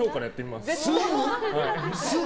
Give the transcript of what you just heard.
すぐ？